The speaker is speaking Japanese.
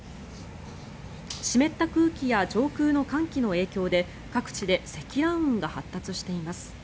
湿った空気や上空の寒気の影響で各地で積乱雲が発達しています。